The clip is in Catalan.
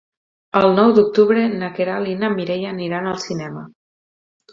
El nou d'octubre na Queralt i na Mireia aniran al cinema.